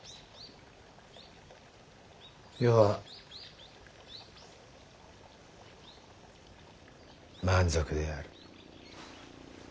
余は満足である。